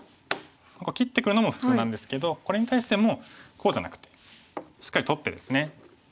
切ってくるのも普通なんですけどこれに対してもこうじゃなくてしっかり取ってですね。